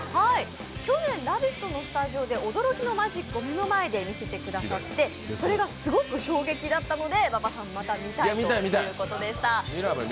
去年、「ラヴィット！」のスタジオで驚きのマジックを目の前で見せてもらってそれがすごく衝撃だったので馬場さん、また見たいということでした。